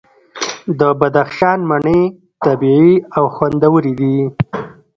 د بدخشان مڼې طبیعي او خوندورې دي.